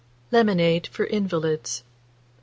LEMONADE FOR INVALIDS. 1870.